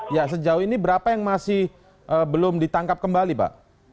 ya sejauh ini berapa yang masih belum ditangkap kembali pak